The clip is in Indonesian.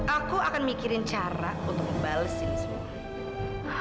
aku akan mikirin cara untuk ngebales ini semua